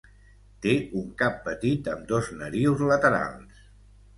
Té un cap petit amb dos narius laterals.